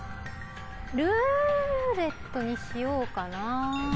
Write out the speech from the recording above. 「ルーレット」にしようかな。